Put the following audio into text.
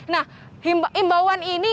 nah imbauan ini